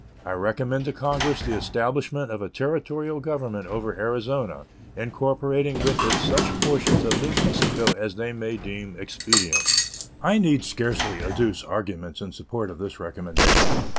I recommend to Congress the establishment of a Territorial government over Arizona, incorporating with it such portions of New Mexico as they may deem expedient. I need scarcely adduce arguments in support of this recommendation.